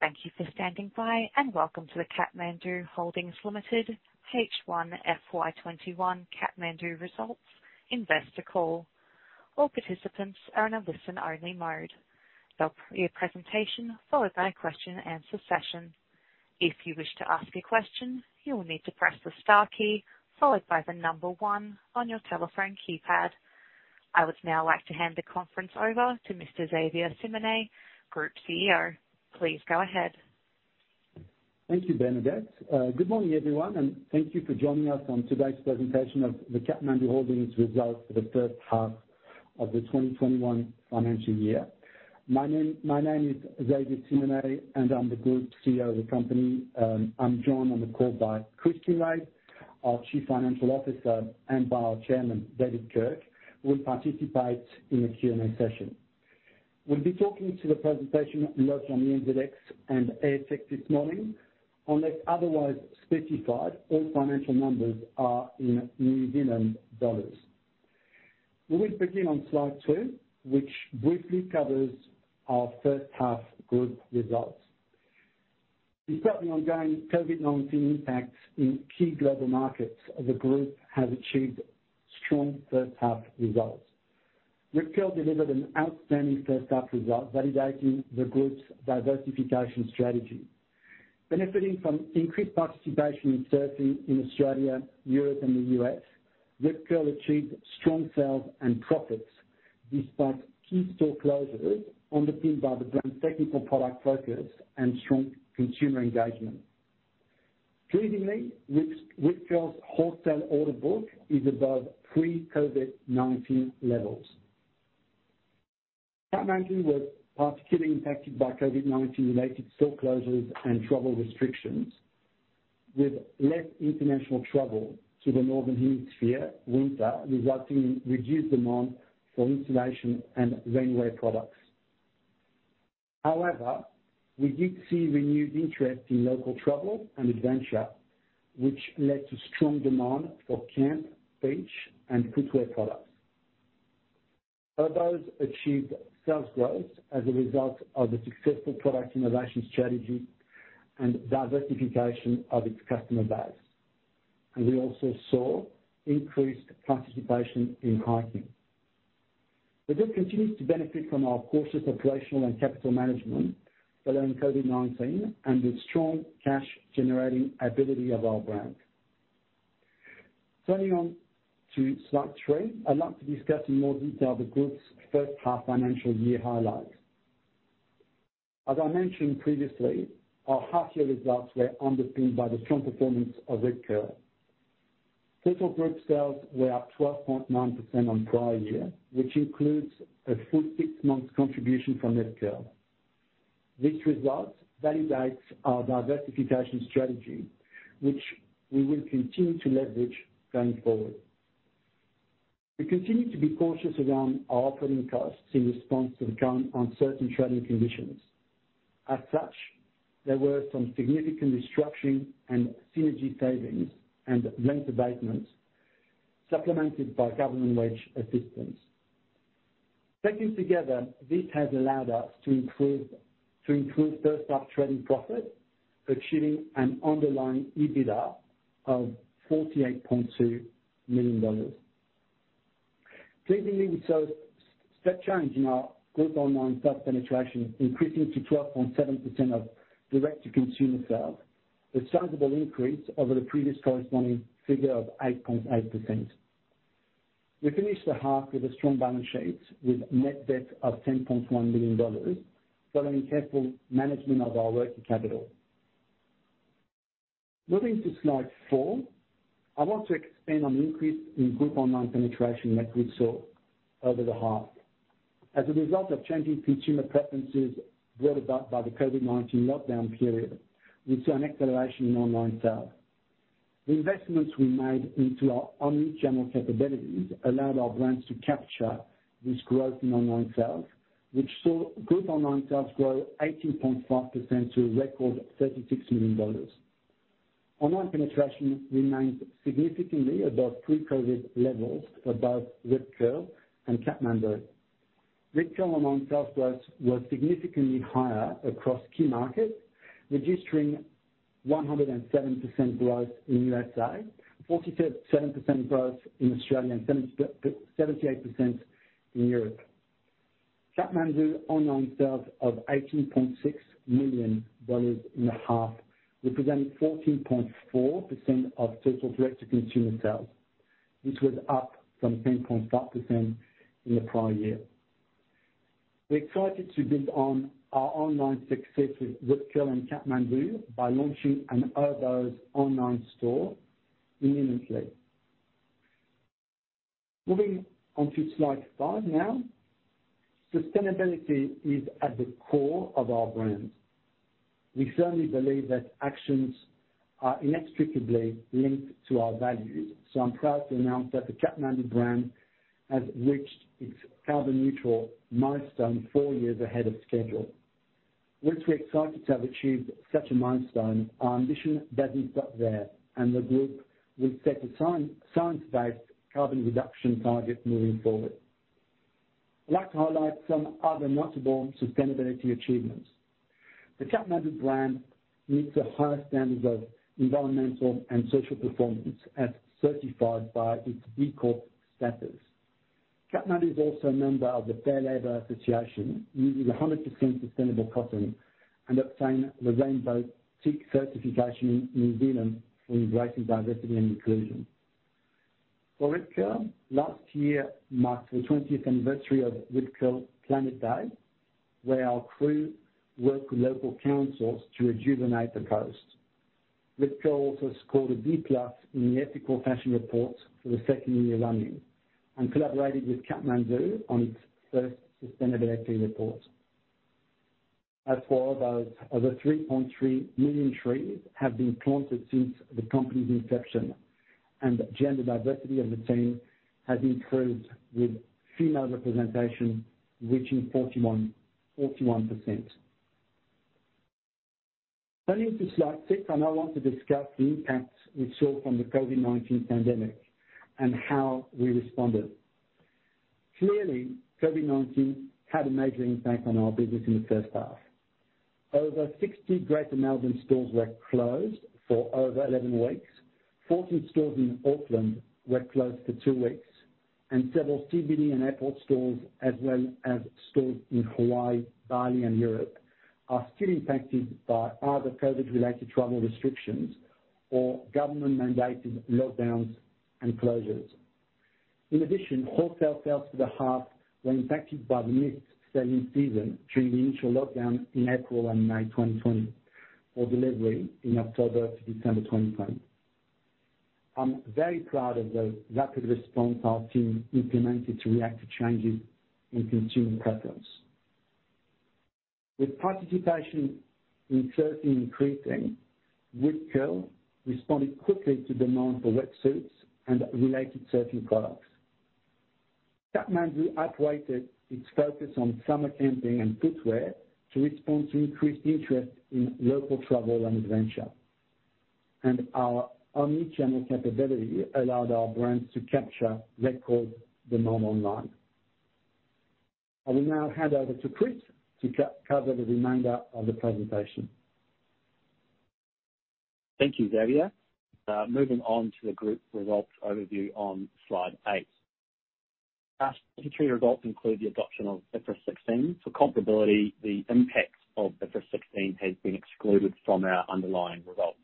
Thank you for standing by, and welcome to the Kathmandu Holdings Limited H1 FY21 Kathmandu Results Investor Call. All participants are in a listen-only mode. There'll be a presentation followed by a question and answer session. If you wish to ask a question, you will need to press the star key followed by the number one on your telephone keypad. I would now like to hand the conference over to Mr. Xavier Simonet, Group CEO. Please go ahead. Thank you, Bernadette. Good morning, everyone, and thank you for joining us on today's presentation of the Kathmandu Holdings results for the first half of the 2021 financial year. My name is Xavier Simonet, and I'm the Group CEO of the company. I'm joined on the call by Chris Kinraid, our Chief Financial Officer, and by our Chairman, David Kirk, who will participate in the Q&A session. We'll be talking to the presentation, both on the NZX and ASX this morning. Unless otherwise specified, all financial numbers are in New Zealand dollars. We will begin on slide two, which briefly covers our first half group results. Despite the ongoing COVID-19 impact in key global markets, the group has achieved strong first half results. Rip Curl delivered an outstanding first half result, validating the group's diversification strategy. Benefiting from increased participation in surfing in Australia, Europe, and the U.S., Rip Curl achieved strong sales and profits despite key store closures, underpinned by the brand's technical product focus and strong consumer engagement. Pleasingly, Rip Curl's wholesale order book is above pre-COVID-19 levels. Kathmandu was particularly impacted by COVID-19 related store closures and travel restrictions, with less international travel to the Northern Hemisphere winter resulting in reduced demand for insulation and rainwear products. However, we did see renewed interest in local travel and adventure, which led to strong demand for camp, beach, and footwear products. Oboz achieved sales growth as a result of the successful product innovation strategy and diversification of its customer base, and we also saw increased participation in hiking. The group continues to benefit from our cautious operational and capital management following COVID-19 and the strong cash-generating ability of our brand. Turning on to slide three, I'd like to discuss in more detail the group's first half financial year highlights. As I mentioned previously, our half year results were underpinned by the strong performance of Rip Curl. Total group sales were up 12.9% on prior year, which includes a full six months contribution from Rip Curl. This result validates our diversification strategy, which we will continue to leverage going forward. We continue to be cautious around our operating costs in response to the current uncertain trading conditions. As such, there were some significant restructuring and synergy savings and rent abatements, supplemented by government wage assistance. Taken together, this has allowed us to improve first half trading profit, achieving an underlying EBITDA of NZD 48.2 million. Pleasingly, we saw a step change in our group online sales penetration increasing to 12.7% of direct-to-consumer sales, a sizable increase over the previous corresponding figure of 8.8%. We finished the half with a strong balance sheet with net debt of 10.1 million dollars following careful management of our working capital. Moving to slide four, I want to expand on the increase in group online penetration that we saw over the half. As a result of changing consumer preferences brought about by the COVID-19 lockdown period, we saw an acceleration in online sales. The investments we made into our omnichannel capabilities allowed our brands to capture this growth in online sales, which saw group online sales grow 18.5% to a record 36 million dollars. Online penetration remains significantly above pre-COVID levels above Rip Curl and Kathmandu. Rip Curl online sales growth was significantly higher across key markets, registering 107% growth in U.S.A., 47% growth in Australia, and 78% in Europe. Kathmandu's online sales of 18.6 million dollars in the half represented 14.4% of total direct-to-consumer sales. This was up from 10.5% in the prior year. We're excited to build on our online success with Rip Curl and Kathmandu by launching an Oboz online store imminently. Moving on to slide five now. Sustainability is at the core of our brand. We firmly believe that actions are inextricably linked to our values, so I'm proud to announce that the Kathmandu brand has reached its carbon neutral milestone four years ahead of schedule. Whilst we're excited to have achieved such a milestone, our ambition doesn't stop there, and the group will set a science-based carbon reduction target moving forward. I'd like to highlight some other notable sustainability achievements. The Kathmandu brand meets the highest standards of environmental and social performance as certified by its B Corp status. Kathmandu is also a member of the Fair Labor Association, using 100% sustainable cotton, and obtained the Rainbow Tick certification in New Zealand for embracing diversity and inclusion. For Rip Curl, last year marked the 20th anniversary of Rip Curl Planet Day, where our crew worked with local councils to rejuvenate the coast. Rip Curl was also scored a B+ in the Ethical Fashion Report for the second year running and collaborated with Kathmandu on its first sustainability report. As for Oboz, over 3.3 million trees have been planted since the company's inception, and gender diversity on the team has improved, with female representation reaching 41%. Turning to slide six, I now want to discuss the impacts we saw from the COVID-19 pandemic and how we responded. Clearly, COVID-19 had a major impact on our business in the first half. Over 60 greater Melbourne stores were closed for over 11 weeks. 14 stores in Auckland were closed for two weeks, and several CBD and airport stores, as well as stores in Hawaii, Bali, and Europe, are still impacted by either COVID-related travel restrictions or government-mandated lockdowns and closures. In addition, wholesale sales to the half were impacted by the missed selling season during the initial lockdown in April and May 2020 for delivery in October to December 2020. I'm very proud of the rapid response our team implemented to react to changes in consumer preference. With participation in surfing increasing, Rip Curl responded quickly to demand for wetsuits and related surfing products. Kathmandu upweighted its focus on summer camping and footwear to respond to increased interest in local travel and adventure. Our omni-channel capability allowed our brands to capture record demand online. I will now hand over to Chris to cover the remainder of the presentation. Thank you, Xavier. Moving on to the group results overview on slide eight. Our H1 results include the adoption of IFRS 16. For comparability, the impact of IFRS 16 has been excluded from our underlying results.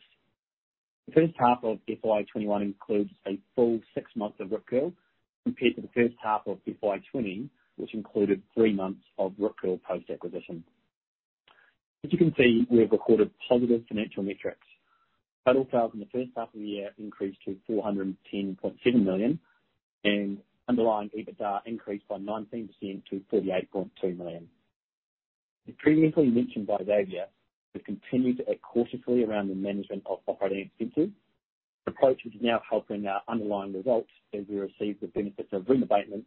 The first half of FY 2021 includes a full six months of Rip Curl, compared to the first half of FY 2020, which included three months of Rip Curl post-acquisition. As you can see, we have recorded positive financial metrics. Total sales in the first half of the year increased to 410.7 million, and underlying EBITDA increased by 19% to 48.2 million. As previously mentioned by Xavier, we've continued to act cautiously around the management of operating expenses. The approach is now helping our underlying results as we receive the benefits of rent abatement,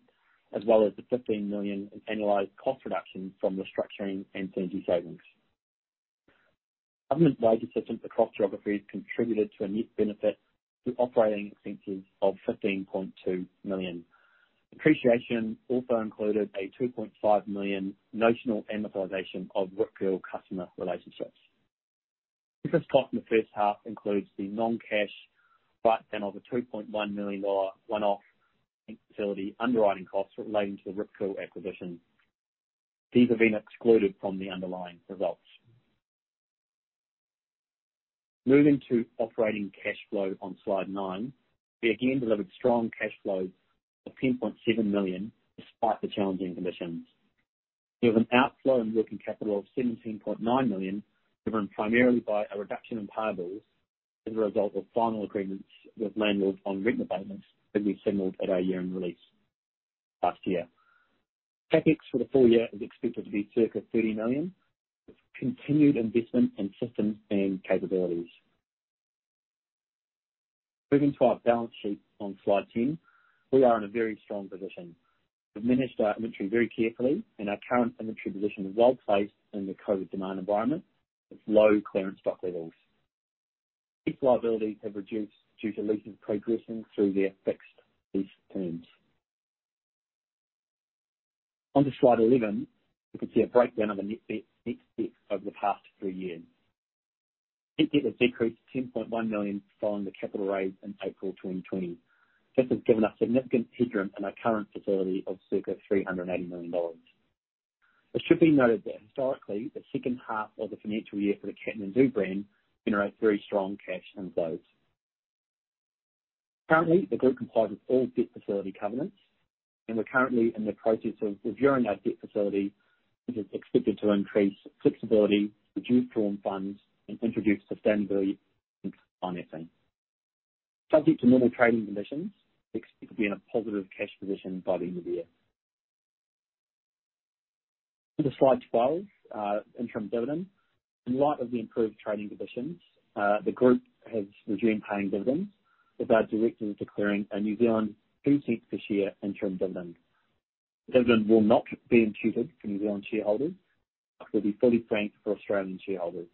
as well as the 15 million in annualized cost reduction from restructuring and synergy savings. Government wage assistance across geographies contributed to a net benefit to operating expenses of 15.2 million. Depreciation also included a 2.5 million notional amortization of Rip Curl customer relationships. Business cost in the first half includes the non-cash write-down of a 2.1 million dollar one-off bank facility underwriting costs relating to the Rip Curl acquisition. These have been excluded from the underlying results. Moving to operating cash flow on slide nine, we again delivered strong cash flow of 10.7 million despite the challenging conditions. We have an outflow in working capital of 17.9 million, driven primarily by a reduction in payables as a result of final agreements with landlords on rent abatements that we signaled at our year-end release last year. CapEx for the full year is expected to be circa 30 million, with continued investment in systems and capabilities. Moving to our balance sheet on slide 10, we are in a very strong position. We've managed our inventory very carefully, and our current inventory position is well-placed in the COVID-19 demand environment, with low clearance stock levels. Lease liabilities have reduced due to leases progressing through their fixed lease terms. On to slide 11, you can see a breakdown of the net debt over the past three years. Net debt has decreased 10.1 million following the capital raise in April 2020. This has given us significant headroom in our current facility of circa 380 million dollars. It should be noted that historically, the second half of the financial year for the Kathmandu brand generates very strong cash inflows. Currently, the group complies with all debt facility covenants, and we're currently in the process of reviewing our debt facility, which is expected to increase flexibility, reduce drawn funds, and introduce sustainability in financing. Subject to normal trading conditions, we expect to be in a positive cash position by the end of the year. On to slide 12, interim dividend. In light of the improved trading conditions, the group has resumed paying dividends, with our directors declaring a NZD 0.02 per share interim dividend. The dividend will not be imputed for New Zealand shareholders but will be fully franked for Australian shareholders.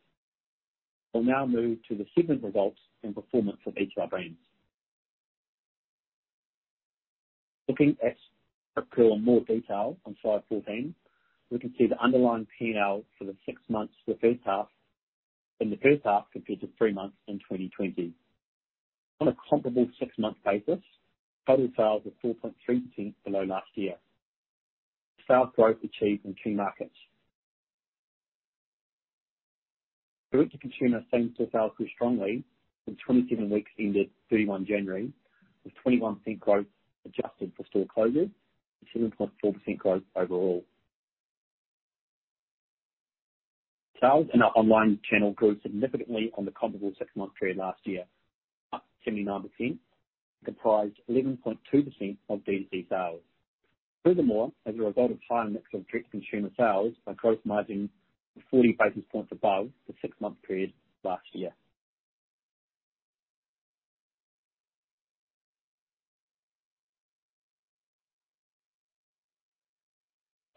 We'll now move to the segment results and performance of each of our brands. Looking at Rip Curl in more detail on slide 14, we can see the underlying P&L for the six months, the first half, and the first half compared to three months in 2020. On a comparable six-month basis, total sales were 4.3% below last year. Sales growth achieved in key markets. Direct-to-consumer sales grew strongly in the 27 weeks ended 31 January, with 21% growth adjusted for store closures and 7.4% growth overall. Sales in our online channel grew significantly on the comparable six-month period last year, up 79%, comprised 11.2% of DTC sales. As a result of higher mix of direct-to-consumer sales by gross margin, 40 basis points above the six-month period last year.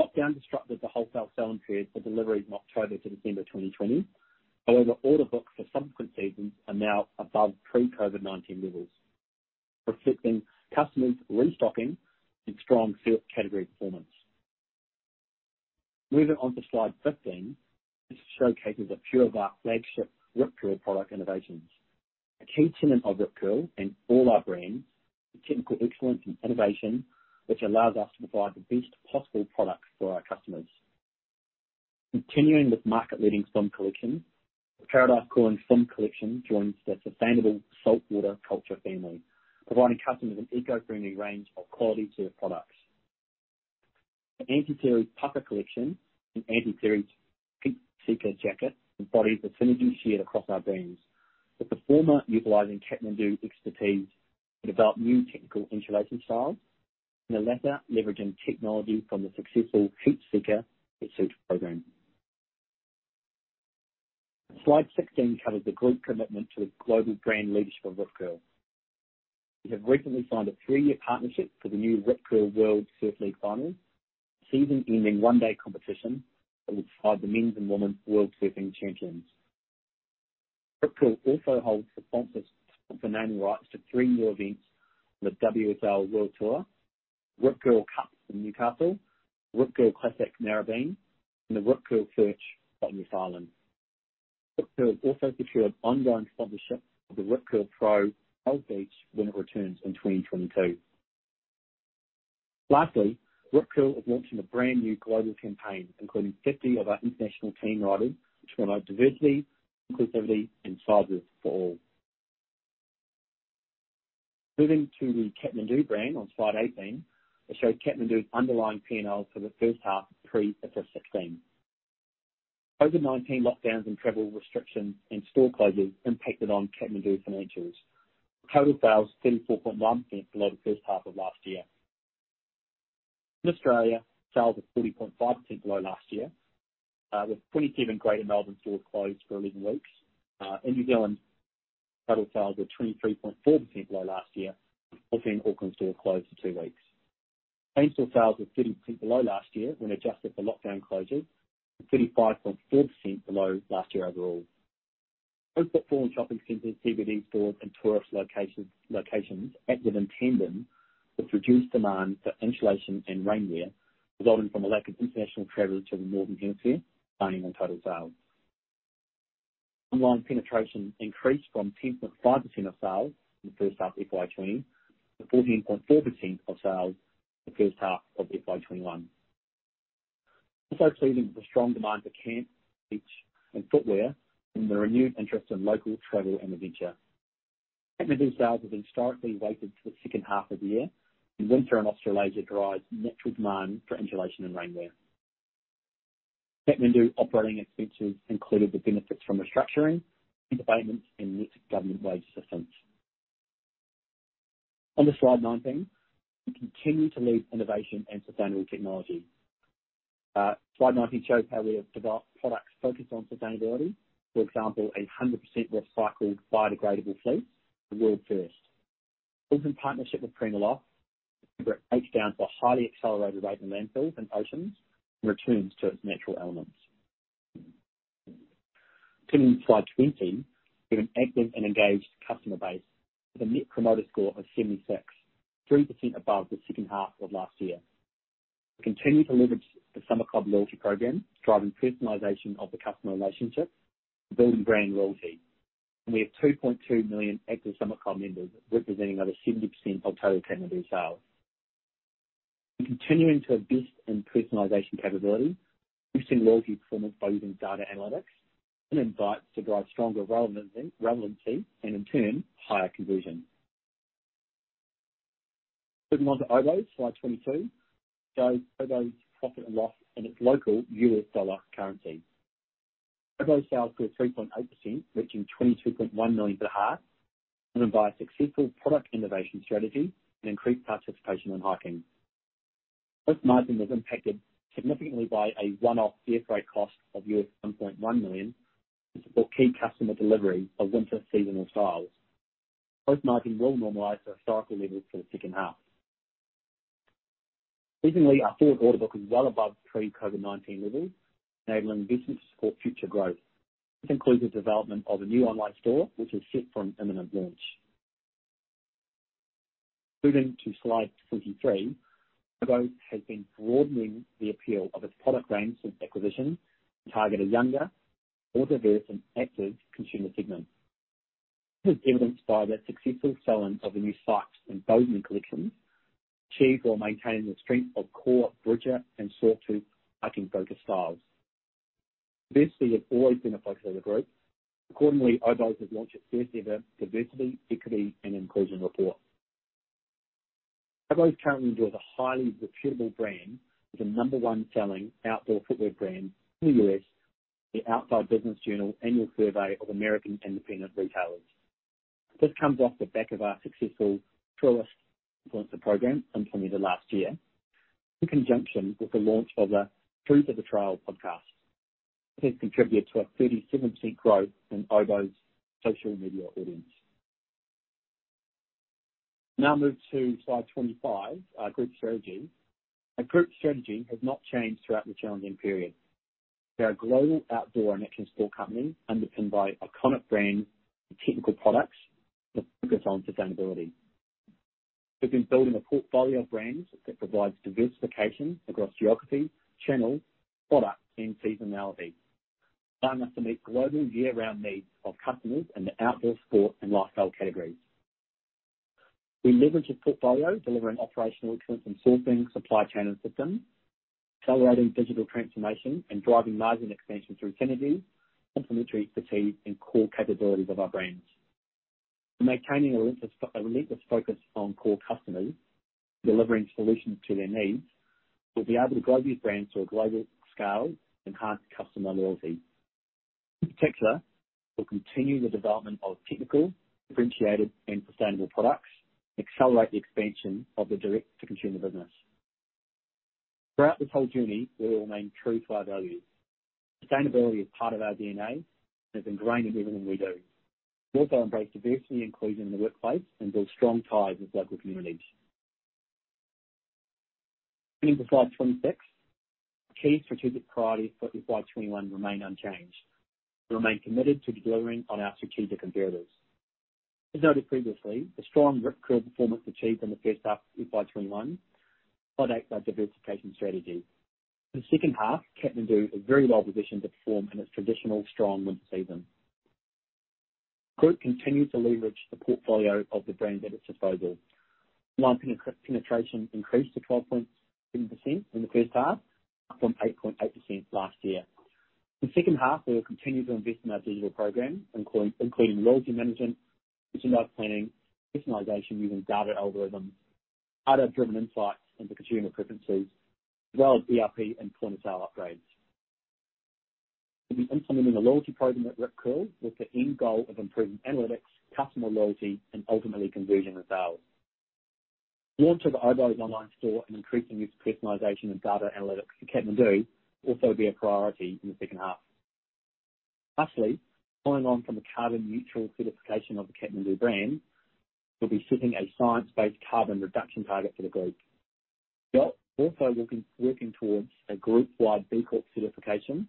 Lockdown disrupted the wholesale selling period for deliveries in October to December 2020. Order books for subsequent seasons are now above pre-COVID-19 levels, reflecting customers restocking and strong surf category performance. Moving on to slide 15. This showcases a few of our flagship Rip Curl product innovations. A key tenet of Rip Curl and all our brands is technical excellence and innovation, which allows us to provide the best possible product for our customers. Continuing with market-leading foam collection, the Paradise Coral Foam collection joins the sustainable Saltwater Culture family, providing customers an eco-friendly range of quality surf products. The Anti-Series puffer collection and Anti-Series Peak Seeker jacket embodies the synergy shared across our brands, with the former utilizing Kathmandu expertise to develop new technical insulation styles, and the latter leveraging technology from the successful Heat Seeker suit program. Slide 16 covers the group commitment to the global brand leadership of Rip Curl. We have recently signed a three-year partnership for the new Rip Curl World Surf League Finals, a season-ending one-day competition that will decide the men's and women's world surfing champions. Rip Curl also holds the sponsorship for naming rights to three new events on the WSL Championship Tour, Rip Curl Newcastle Cup, Rip Curl Narrabeen Classic, and the Rip Curl GromSearch in New Zealand. Rip Curl has also secured ongoing sponsorship of the Rip Curl Pro at Bells Beach when it returns in 2022. Lastly, Rip Curl is launching a brand new global campaign including 50 of our international team riders to promote diversity, inclusivity, and sizes for all. Moving to the Kathmandu brand on slide 18, I show Kathmandu's underlying P&L for the first half to FY 2021. COVID-19 lockdowns and travel restrictions and store closures impacted on Kathmandu financials. Total sales 34.1% below the first half of last year. In Australia, sales were 40.5% below last year, with 27 greater Melbourne stores closed for 11 weeks. In New Zealand, total sales were 23.4% below last year, with the Auckland store closed for two weeks. Same-store sales were 30% below last year when adjusted for lockdown closures and 35.4% below last year overall. Both premium shopping centers, CBD stores, and tourist locations acted in tandem with reduced demand for insulation and rainwear resulting from a lack of international travelers to the Northern Hemisphere planning on total sales. Online penetration increased from 10.5% of sales in the first half of FY 2020 to 14.4% of sales in the first half of FY 2021. Pleasing is the strong demand for camp, beach, and footwear from the renewed interest in local travel and adventure. Kathmandu sales have been historically weighted to the second half of the year, and winter and Australasia drive natural demand for insulation and rainwear. Kathmandu operating expenses included the benefits from restructuring, other payments, and linked to government wage assistance. On the slide 19, we continue to lead innovation and sustainable technology. Slide 19 shows how we have developed products focused on sustainability. For example, 100% recycled biodegradable fleece, a world first. Built in partnership with PrimaLoft, it breaks down at a highly accelerated rate in landfills and oceans and returns to its natural elements. Turning to slide 20, we have an active and engaged customer base with a net promoter score of 76, 3% above the second half of last year. We continue to leverage the Summit Club loyalty program, driving personalization of the customer relationship and building brand loyalty. We have 2.2 million active Summit Club members, representing over 70% of total Kathmandu sales. We're continuing to invest in personalization capabilities, boosting loyalty performance by using data analytics and invites to drive stronger relevancy and, in turn, higher conversion. Moving on to Oboz, slide 22, shows Oboz profit and loss in its local US dollar currency. Oboz sales grew 3.8%, reaching $22.1 million for the half, driven by a successful product innovation strategy and increased participation in hiking. Gross margin was impacted significantly by a one-off airfreight cost of $1.1 million and support key customer delivery of winter seasonal styles. Gross margin will normalize to historical levels for the second half. Recently, our full order book is well above pre-COVID-19 levels, enabling the business to support future growth. This includes the development of a new online store, which is set for an imminent launch. Moving to slide 23. Oboz has been broadening the appeal of its product range since acquisition to target a younger, more diverse, and active consumer segment. This is evidenced by the successful selling of the new Sypes and Bozeman collections, achieved while maintaining the strength of core Bridger and Sawtooth hiking boot styles. Diversity has always been a focus of the group. Accordingly, Oboz has launched its first-ever diversity, equity, and inclusion report. Oboz currently enjoys a highly reputable brand as the number one selling outdoor footwear brand in the U.S. in the Outside Business Journal annual survey of American independent retailers. This comes off the back of our successful Trailist influencer program from the middle of last year, in conjunction with the launch of the True to the Trail podcast. This contributed to a 37% growth in Oboz' social media audience. Now move to slide 25, our group strategy. Our group strategy has not changed throughout the challenging period. We are a global outdoor and action sport company underpinned by iconic brands and technical products with a focus on sustainability. We've been building a portfolio of brands that provides diversification across geography, channels, products, and seasonality. Designed to meet global year-round needs of customers in the outdoor sport and lifestyle categories. We leverage a portfolio delivering operational excellence in sourcing, supply chain, and systems, accelerating digital transformation, and driving margin expansion through synergy, complementary expertise, and core capabilities of our brands. We're maintaining a relentless focus on core customers, delivering solutions to their needs. We'll be able to grow these brands to a global scale, enhance customer loyalty. In particular, we'll continue the development of technical, differentiated, and sustainable products, and accelerate the expansion of the direct-to-consumer business. Throughout this whole journey, we will remain true to our values. Sustainability is part of our DNA and is ingrained in everything we do. We also embrace diversity and inclusion in the workplace and build strong ties with our communities. Moving to slide 26. Our key strategic priorities for FY 2021 remain unchanged. We remain committed to delivering on our strategic imperatives. As noted previously, the strong Rip Curl performance achieved in the first half of FY 2021 proves our diversification strategy. In the second half, Kathmandu is very well positioned to perform in its traditional strong winter season. The group continues to leverage the portfolio of the brands at its disposal. Online penetration increased to 12.7% in the first half, up from 8.8% last year. In the second half, we will continue to invest in our digital program, including loyalty management, demand planning, personalization using data algorithms, data-driven insights into consumer preferences, as well as ERP and point-of-sale upgrades. We'll be implementing a loyalty program at Rip Curl with the end goal of improving analytics, customer loyalty, and ultimately conversion and sales. The launch of Oboz online store and increasing use of personalization and data analytics for Kathmandu will also be a priority in the second half. Lastly, following on from the carbon neutral certification of the Kathmandu brand, we'll be setting a science-based carbon reduction target for the group. We are also working towards a group-wide B Corp certification,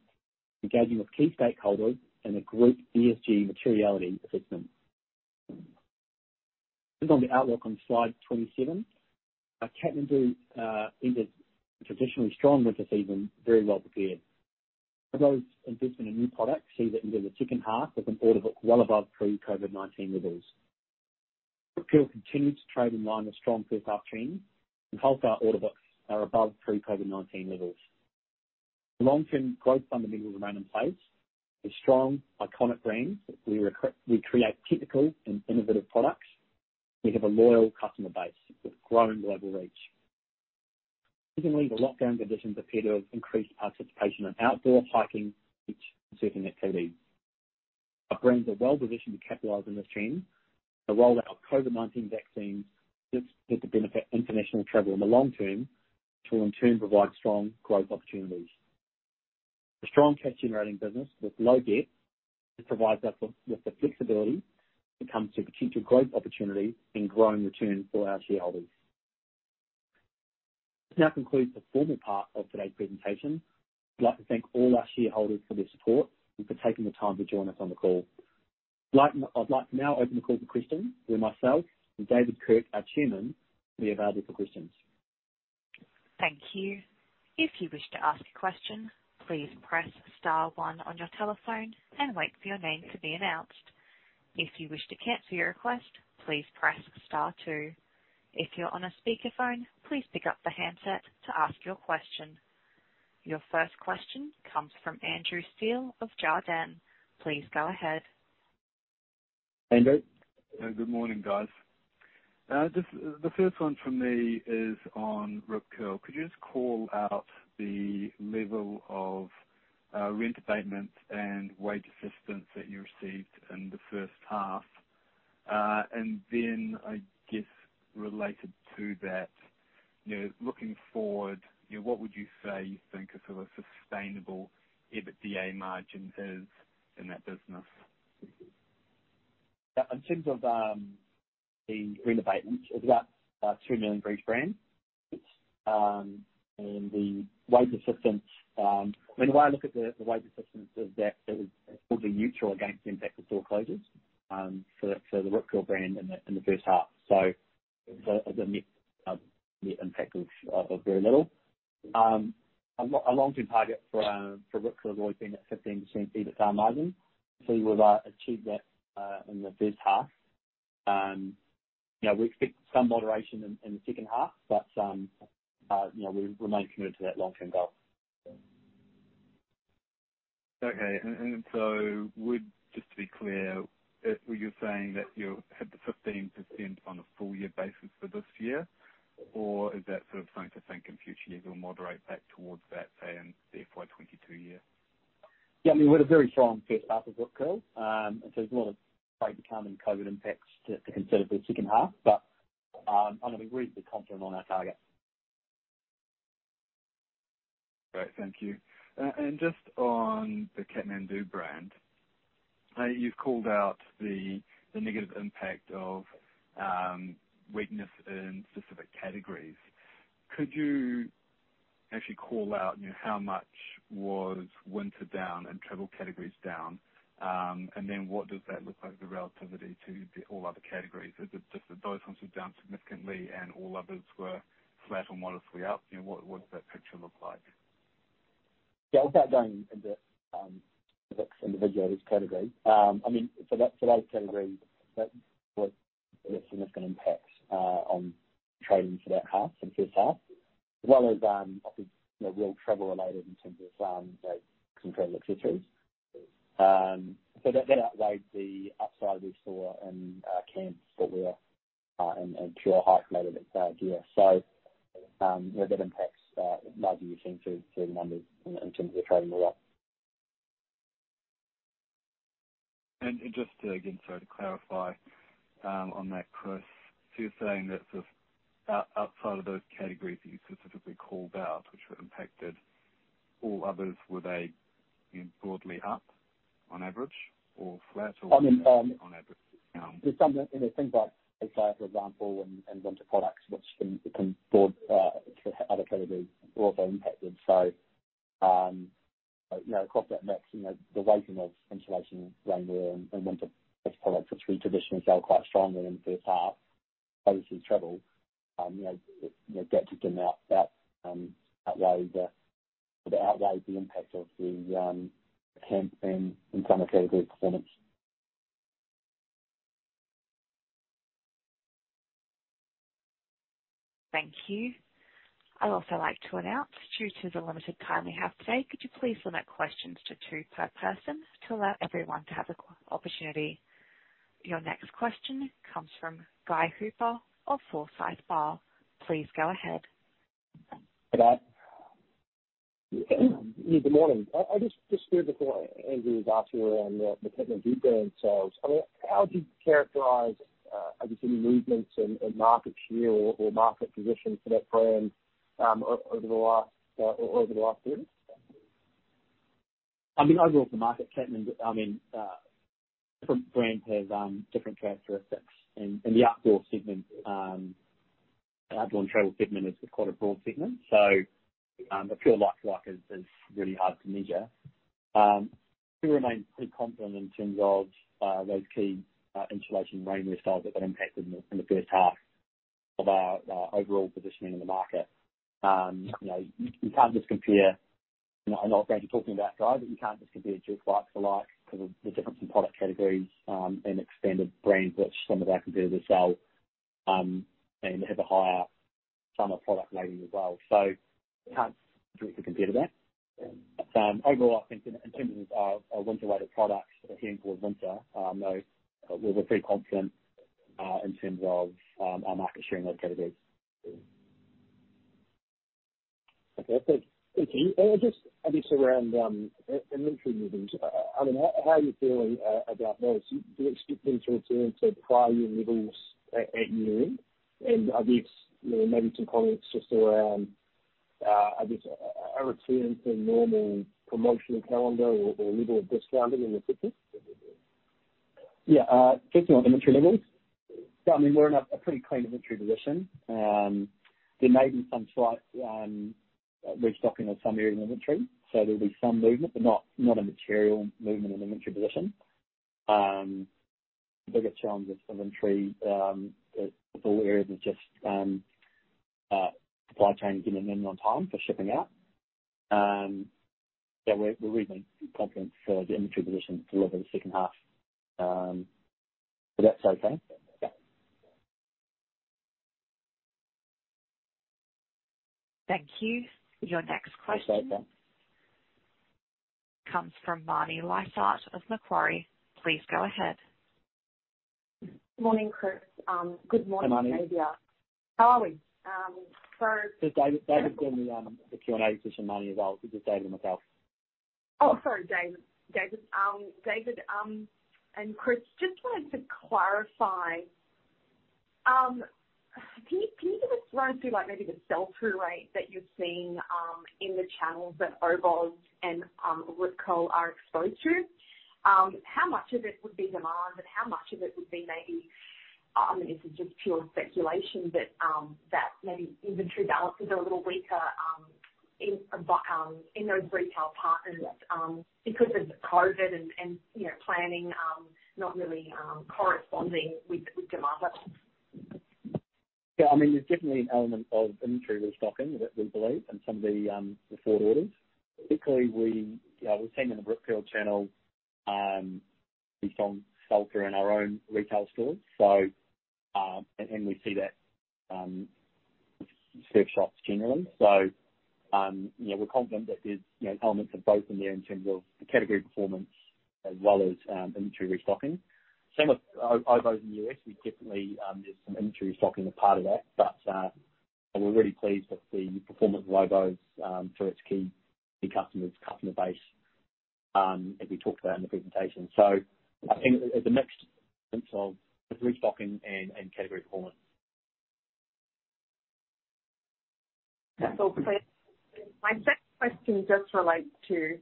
engaging with key stakeholders in a group ESG materiality assessment. Moving on the outlook on slide 27. Kathmandu ended traditionally strong winter season very well prepared. Oboz investment in new products see that into the second half with an order book well above pre-COVID-19 levels. Rip Curl continued to trade in line with strong first-half trends, and wholesale order books are above pre-COVID-19 levels. The long-term growth fundamentals remain in place with strong, iconic brands. We create technical and innovative products. We have a loyal customer base with growing global reach. Recently, the lockdown conditions appear to have increased participation in outdoor hiking, beach, and surfing activities. Our brands are well-positioned to capitalize on this trend. The rollout of COVID-19 vaccines looks set to benefit international travel in the long-term, which will in turn provide strong growth opportunities. A strong cash-generating business with low debt provides us with the flexibility when it comes to potential growth opportunities and growing returns for our shareholders. This now concludes the formal part of today's presentation. I'd like to thank all our shareholders for their support and for taking the time to join us on the call. I'd like to now open the call for questions, where myself and David Kirk, our Chairman, will be available for questions. Your first question comes from Andrew Steele of Jarden. Please go ahead. Andrew. Good morning, guys. The first one from me is on Rip Curl. Could you just call out the level of rent abatements and wage assistance that you received in the first half? I guess related to that, looking forward, what would you say you think a sustainable EBITDA margin is in that business? In terms of the rent abatements, it's about 2 million brief brand. The wage assistance, the way I look at the wage assistance is that it was probably neutral against the impact of store closures for the Rip Curl brand in the first half. The net impact was very little. Our long-term target for Rip Curl has always been at 15% EBITDA margin. We've achieved that in the first half. We expect some moderation in the second half, but we remain committed to that long-term goal. Okay. Just to be clear, were you saying that you had the 15% on a full year basis for this year, or is that something to think in future years will moderate back towards that, say, in the FY 2022 year? Yeah. We had a very strong first half of Rip Curl. There's a lot of break to come and COVID impacts to consider for the second half. I know we're reasonably confident on our target. Great. Thank you. Just on the Kathmandu brand, you've called out the negative impact of weakness in specific categories. Could you actually call out how much was winter down and travel categories down? What does that look like, the relativity to all other categories? Is it just that those ones were down significantly and all others were flat or modestly up? What does that picture look like? Yeah. Without going into specifics individual category. For those categories, that was a significant impact on trading for that half, the first half, as well as obviously real travel related in terms of some travel accessories. That outweighed the upside we saw in camps that were in pure hike mode at that stage. That impacts largely you're seeing through the numbers in terms of the trading overall. Just again, sorry to clarify on that, Chris. You're saying that outside of those categories that you specifically called out, which were impacted, all others, were they broadly up on average or flat? I mean- On average down. There's some things like, for example, in winter products which can be bought adequately, also impacted. Across that mix, the weighting of insulation, rainwear, and winter products, which we traditionally sell quite strongly in the first half. Obviously travel, that took them out, outweighed the impact of the camp and some other category performance. Thank you. I'd also like to announce, due to the limited time we have today, could you please limit questions to two per person to allow everyone to have the opportunity. Your next question comes from Guy Hooper of Forsyth Barr. Please go ahead. Good morning. I just heard before Andrew was asking around the Kathmandu brand. How do you characterize, are there any movements in market share or market position for that brand over the last few years? Overall for market treatment, different brands have different characteristics. The outdoor segment, outdoor and travel segment, is quite a broad segment. A pure like for like is really hard to measure. We remain pretty confident in terms of those key insulation rainwear styles that got impacted in the first half of our overall positioning in the market. I'm not going to talk to that guy, but you can't just compare two likes alike because of the difference in product categories and expanded brands which some of our competitors sell, and have a higher summer product weighting as well. You can't directly compare that. Overall, I think in terms of our winter weighted products heading towards winter, we're pretty confident in terms of our market share in those categories. Okay. Thank you. Just around inventory movements, how are you feeling about those? Do you expect them to return to prior year levels at year-end? Maybe some comments just around a return to normal promotional calendar or level of discounting in the future? First one, inventory levels. We're in a pretty clean inventory position. There may be some slight restocking of some area of inventory, so there'll be some movement, but not a material movement in inventory position. The bigger challenge with inventory is all areas of just supply chains getting in on time for shipping out. We're reasonably confident for the inventory position deliver the second half. That's okay. Thank you. Your next question comes from Marni Lysaght of Macquarie. Please go ahead. Morning, Chris. Good morning. Hey, Marni. How are we? This is David. David's doing the Q&A for Marni as well. This is David on the call. Oh, sorry, David. David and Chris, just wanted to run through maybe the sell-through rate that you're seeing in the channels that Oboz and Rip Curl are exposed to. How much of it would be demand, and how much of it would be maybe, this is just pure speculation, that maybe inventory balances are a little weaker in those retail partners because of the COVID-19 and planning not really corresponding with demand levels? Yeah. There's definitely an element of inventory restocking that we believe in some of the forward orders. Particularly, we've seen in the Boardriders channel, based on sell-through in our own retail stores. We see that with surf shops generally. We're confident that there's elements of both in there in terms of the category performance as well as inventory restocking. Same with Oboz in the U.S. Definitely, there's some inventory restocking a part of that. We're really pleased with the performance of Oboz for its key customers, customer base, as we talked about in the presentation. I think there's a mix of restocking and category performance. That's all clear. My second question just relates to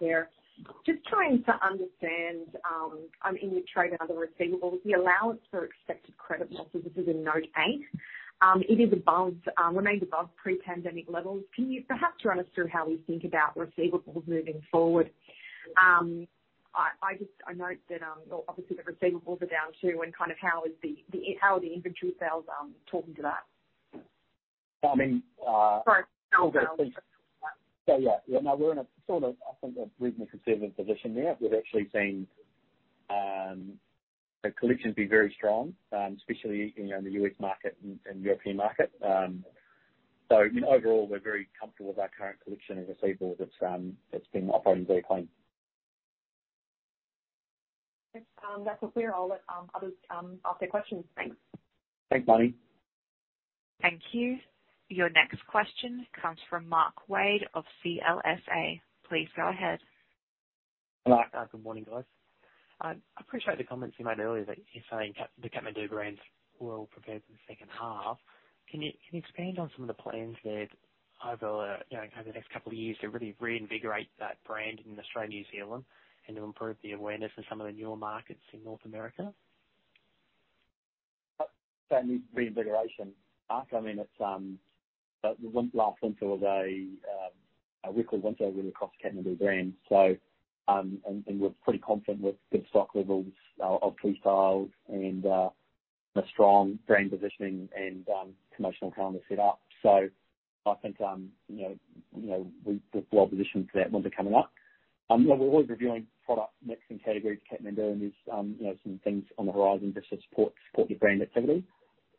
there. Just trying to understand in your trade and other receivables, the allowance for expected credit losses, which is in note eight. It remains above pre-pandemic levels. Can you perhaps run us through how we think about receivables moving forward? I note that, obviously, the receivables are down too. How are the inventory sales talking to that? I think- Sorry, sell-downs. Yeah. No, we're in a conservative position there. We've actually seen the collections be very strong, especially in the US market and European market. Overall, we're very comfortable with our current collection and receivables. It's been operating very clean. That's all clear. I'll let others ask their questions. Thanks. Thanks, Marni. Thank you. Your next question comes from Mark Wade of CLSA. Please go ahead. Mark. Good morning, guys. I appreciate the comments you made earlier that you're saying the Kathmandu brands were all prepared for the second half. Can you expand on some of the plans there over the next couple of years to really reinvigorate that brand in Australia and New Zealand and to improve the awareness in some of the newer markets in North America? Reinvigoration, Mark. Last winter was a weak winter really across Kathmandu Brands. We're pretty confident with good stock levels of key styles and a strong brand positioning and promotional calendar set up. I think we're well-positioned for that winter coming up. We're always reviewing product mix and categories for Kathmandu, and there's some things on the horizon just to support the brand activity.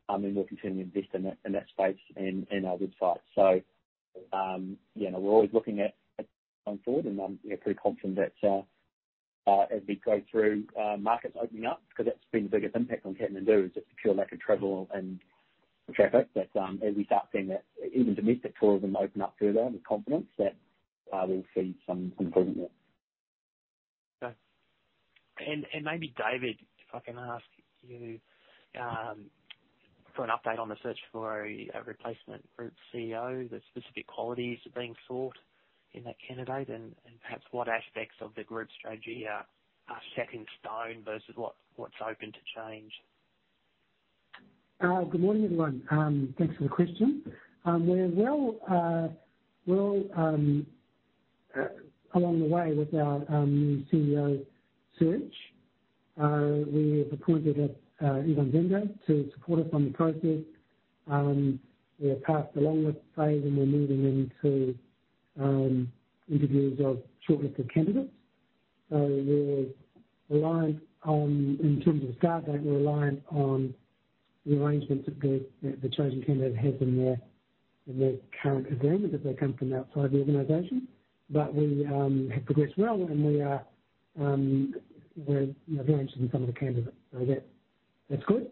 We'll continue to invest in that space in our good sites. We're always looking at going forward, and I'm pretty confident that as we go through markets opening up, because that's been the biggest impact on Kathmandu, is the pure lack of travel and traffic. As we start seeing even domestic tourism open up further with confidence, that will see some improvement there. Okay. Maybe David, if I can ask you for an update on the search for a replacement Group CEO. The specific qualities being sought in that candidate and perhaps what aspects of the group strategy are set in stone versus what's open to change. Good morning, everyone. Thanks for the question. We're well along the way with our new CEO search. We have appointed Egon Zehnder to support us on the process. We are past the longlist phase, and we're moving into interviews of a shortlist of candidates. We're reliant on, in terms of the start date, we're reliant on the arrangements that the chosen candidate has in their current agreement if they come from outside the organization. We have progressed well, and we're very interested in some of the candidates. That's good.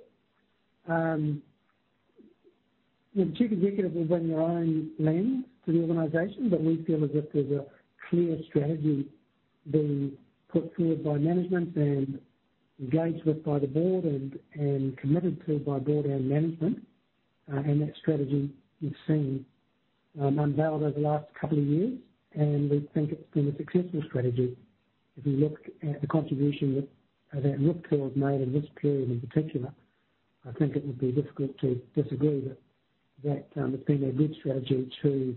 The Chief Executive will bring their own lens to the organization, but we feel as if there's a clear strategy being put forward by management and engaged with by the board and committed to by board and management. That strategy you've seen unveiled over the last couple of years, and we think it's been a successful strategy. If you look at the contribution that Rip Curl has made in this period in particular, I think it would be difficult to disagree that it's been a good strategy to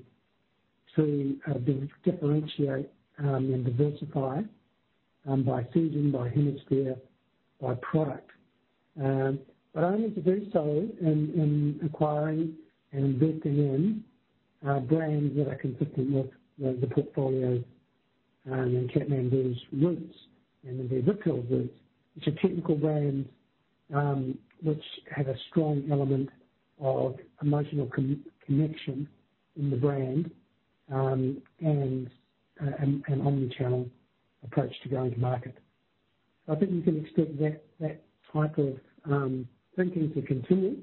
differentiate and diversify by season, by hemisphere, by product. Only to do so in acquiring and investing in brands that are consistent with the portfolio and Kathmandu's roots and of their Rip Curl roots. It's a technical brand, which has a strong element of emotional connection in the brand, and an omnichannel approach to going to market. I think you can expect that type of thinking to continue.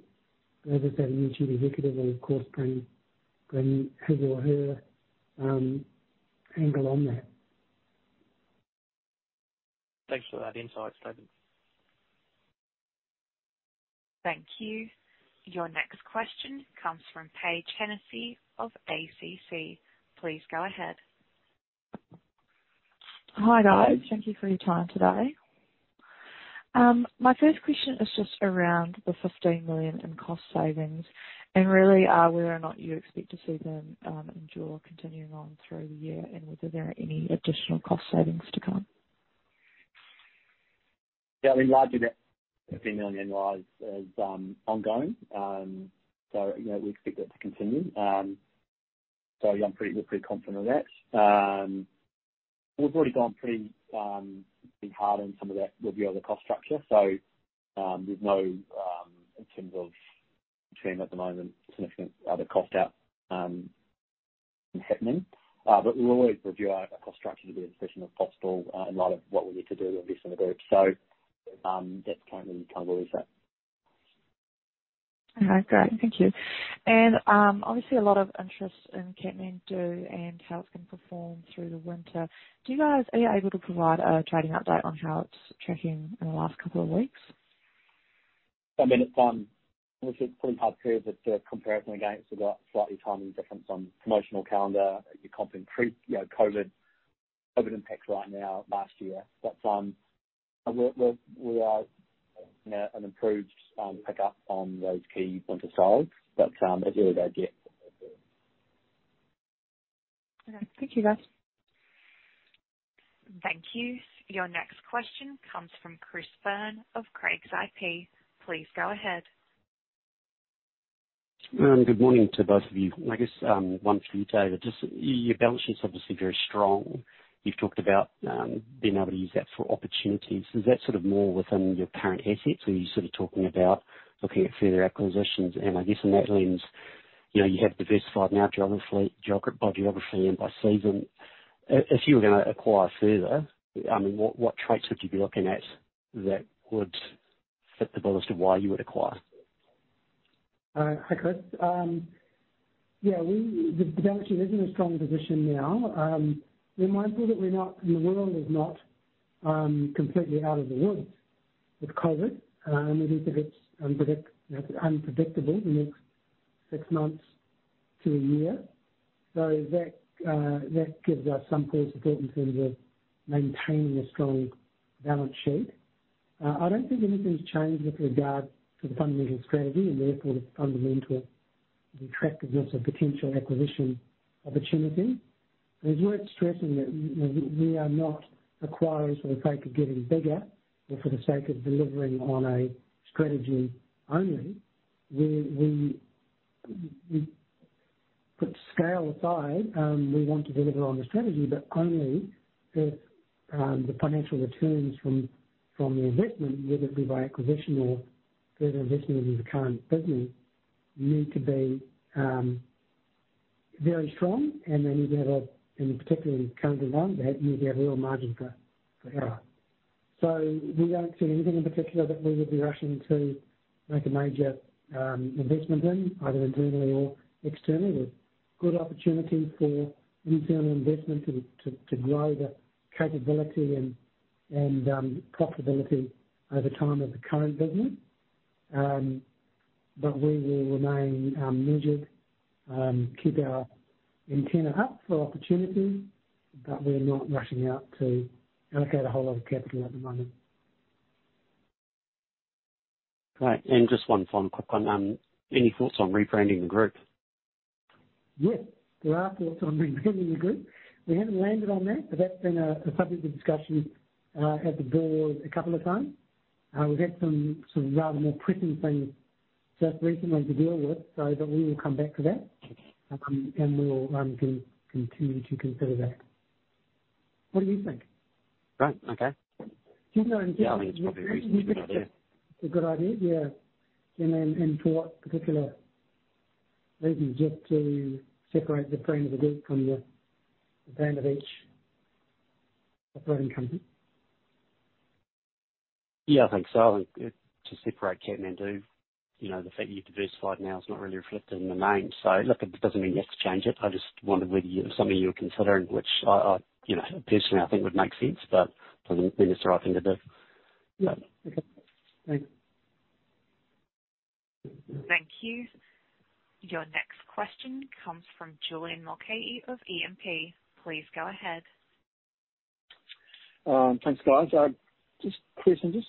As I said, a new Chief Executive will, of course, bring his or her angle on that. Thanks for that insight, David. Thank you. Your next question comes from Paige Hennessy of ACC. Please go ahead. Hi, guys. Thank you for your time today. My first question is just around the 15 million in cost savings and really whether or not you expect to see them endure or continuing on through the year and whether there are any additional cost savings to come. We largely get NZD 15 million annualized as ongoing. We expect that to continue. We're pretty confident on that. We've already gone pretty hard on some of that review of the cost structure, we've no significant other cost out happening. We always review our cost structure to be as efficient as possible in light of what we need to do and invest in the group. That's currently where it's at. Okay, great. Thank you. Obviously a lot of interest in Kathmandu and how it's going to perform through the winter. Are you able to provide a trading update on how it's tracking in the last couple of weeks? I mean, it's an obviously pretty hard period to compare it when, again, it's got slightly timing difference on promotional calendar, your comp increased, COVID-19 impacts right now last year. We are an improved pickup on those key winter styles, but as ever they get Okay. Thank you, guys. Thank you. Your next question comes from Chris Byrne of Craigs IP. Please go ahead. Good morning to both of you. I guess, one for you, David, just your balance sheet's obviously very strong. You've talked about being able to use that for opportunities. Is that more within your current assets or are you talking about looking at further acquisitions? I guess in that lens, you have diversified now by geography and by season. If you were going to acquire further, what traits would you be looking at that would fit the bill as to why you would acquire? Hi, Chris. Yeah, the balance sheet is in a strong position now. We're mindful that we're not, and the world is not completely out of the woods with COVID. We think it's unpredictable the next six months to a year. That gives us some pause to think in terms of maintaining a strong balance sheet. I don't think anything's changed with regard to the fundamental strategy, and therefore the fundamental attractiveness of potential acquisition opportunities. It's worth stressing that we are not acquirers for the sake of getting bigger or for the sake of delivering on a strategy only. We put scale aside, we want to deliver on the strategy. Only if the financial returns from the investment, whether it be by acquisition or further investment into the current business, need to be very strong and particularly in the current environment, they need to have real margin for error. We don't see anything in particular that we would be rushing to make a major investment in, either internally or externally. There's good opportunities for internal investment to grow the capability and profitability over time of the current business. We will remain measured, keep our antenna up for opportunity. We're not rushing out to allocate a whole lot of capital at the moment. Great. Just one final quick one. Any thoughts on rebranding the group? Yes. There are thoughts on rebranding the group. We haven't landed on that, but that's been a subject of discussion at the board a couple of times. We've had some rather more pressing things just recently to deal with so that we will come back to that, and we'll continue to consider that. What do you think? Right. Okay. Do you know anything, it's a good idea? Yeah. For what particular reasons? Just to separate the brand of the group from the brand of each operating company. Yeah, I think so. I think to separate Kathmandu, the fact that you've diversified now is not really reflected in the name. Look, it doesn't mean you have to change it. I just wondered whether it was something you were considering, which I personally, I think would make sense, but probably not the right thing to do. Yeah. Okay. Thanks. Thank you. Your next question comes from Julian Mulcahy of E&P. Please go ahead. Thanks, guys. Chris, I'm just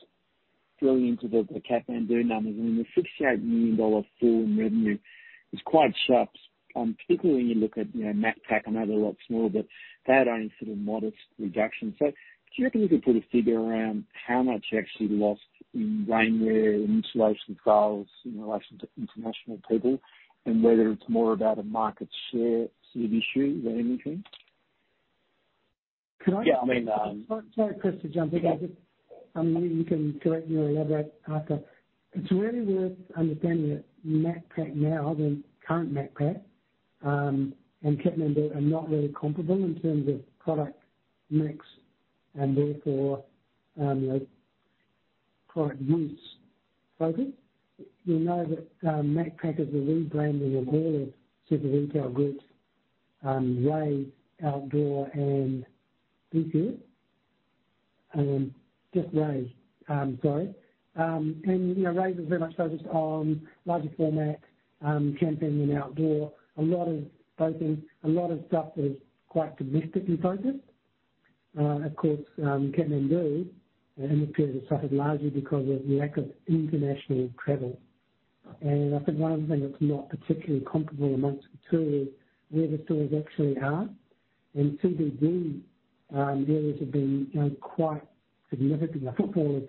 drilling into the Kathmandu numbers. I mean, the 68 million dollar fall in revenue is quite sharp, particularly when you look at Macpac, I know they're a lot smaller, but they had only sort of modest reduction. Do you reckon you could put a figure around how much you actually lost in rainwear and insulation sales in relation to international people and whether it's more about a market share sort of issue than anything? Could I- Yeah, I mean. Sorry, Chris, to jump in. Yeah. I mean, you can correct me or elaborate after. It is really worth understanding that Macpac now, the current Macpac, and Kathmandu are not really comparable in terms of product mix and product use focus. You will know that Macpac is the rebranding of all of Super Retail Group, Ray's Outdoors and BCF. Just Ray, sorry. Ray was very much focused on larger format, camping and outdoor. A lot of focus, a lot of stuff that is quite domestically focused. Kathmandu in the period has suffered largely because of the lack of international travel. I think one of the things that is not particularly comparable amongst the two is where the stores actually are. CBD areas have been down quite significantly. I think they were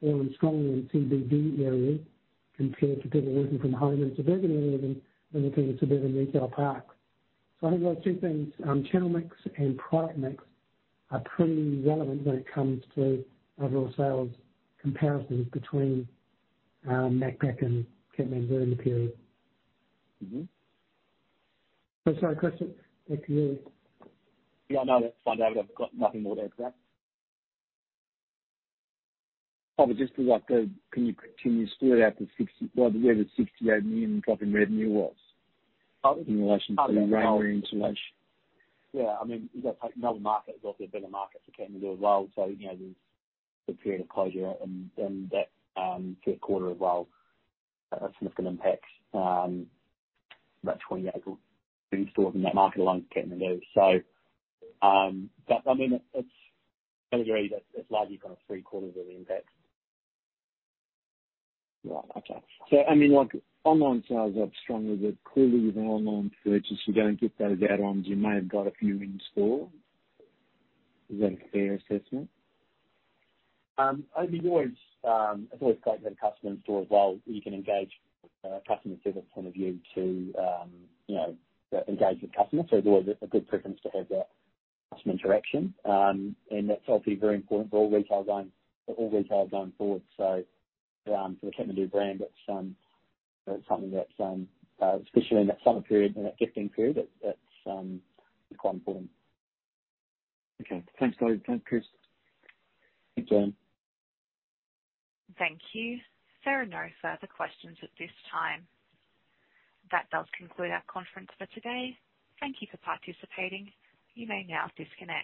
fairly strong in CBD areas compared to people working from home and suburban areas and looking to suburban retail parks. I think those two things, channel mix and product mix, are pretty relevant when it comes to overall sales comparisons between Macpac and Kathmandu during the period. Sorry, Chris. Back to you. Yeah, no, that's fine, David. I've got nothing more to add to that. Probably just to like the, can you split out, well, where the 68 million drop in revenue was? Oh. In relation to the rainwear insulation. I mean, Melbourne market is obviously a bigger market for Kathmandu as well. There's the period of closure in that third quarter as well, a significant impact. About 28 stores in that market alone for Kathmandu. I mean, I would agree that it's largely kind of three-quarters of the impact. Right. Okay. I mean, like online sales up strongly, but clearly with an online purchase, you don't get those add-ons. You may have got a few in store. Is that a fair assessment? It's always great to have a customer in store as well. You can engage customer service point of view to engage with customers. There's always a good preference to have that customer interaction. That's obviously very important for all retail going forward. For the Kathmandu brand, that's something that, especially in that summer period and that gifting period, that's quite important. Okay. Thanks, David. Thanks, Chris. Welcome. Thank you. There are no further questions at this time. That does conclude our conference for today. Thank you for participating. You may now disconnect.